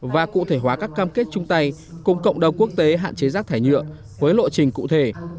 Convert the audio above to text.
và cụ thể hóa các cam kết chung tay cùng cộng đồng quốc tế hạn chế rác thải nhựa với lộ trình cụ thể